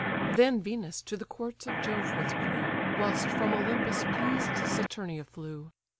Then Venus to the courts of Jove withdrew; Whilst from Olympus pleased Saturnia flew.